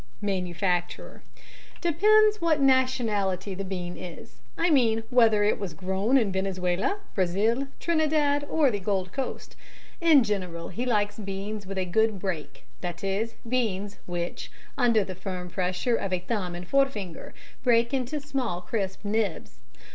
MANUFACTURER: Depends what nationality the bean is I mean whether it was grown in Venezuela, Brazil, Trinidad, or the Gold Coast. In general he likes beans with a good "break," that is beans which, under the firm pressure of thumb and forefinger, break into small crisp nibs.